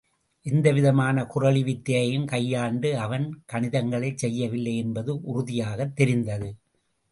எந்தவிதமான குறளி வித்தையையும் கையாண்டு, அவன் கணிதங்களைச் செய்யவில்லை என்பது உறுதியாகத் தெரிந்தது.